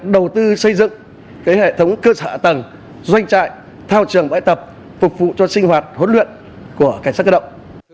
đầu tư xây dựng hệ thống cơ sở hạ tầng doanh trại thao trường bãi tập phục vụ cho sinh hoạt huấn luyện của cảnh sát cơ động